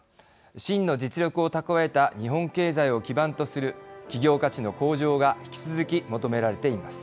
真の実力を蓄えた日本経済を基盤とする企業価値の向上が引き続き求められています。